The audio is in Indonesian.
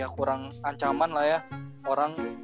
kurang ancaman lah ya